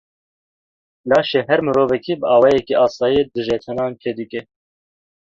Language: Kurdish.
Laşê her mirovekî bi awayekî asayî dijetenan çê dike.